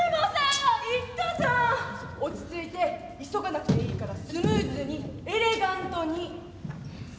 落ち着いて急がなくていいからスムーズにエレガントに。